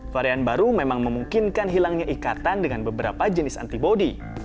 varian baru memang memungkinkan hilangnya ikatan dengan beberapa jenis antibody